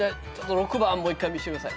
６番もう一回見してください。